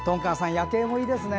夜景もいいですね。